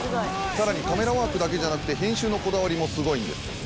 さらにカメラワークだけじゃなくて編集のこだわりもすごいんです。